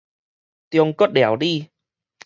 中國料理